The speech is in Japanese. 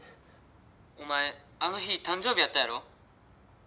お前あの日誕生日やったやろ？